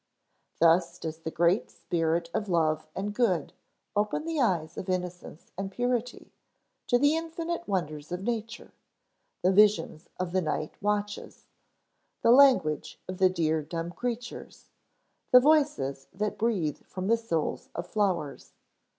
Thus does the great Spirit of Love and Good open the eyes of innocence and purity to the infinite wonders of Nature, the visions of the night watches, the language of the dear dumb creatures, the voices that breathe from the souls of flowers.